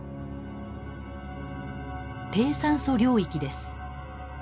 低酸素領域です。